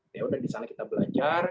yaudah di sana kita belajar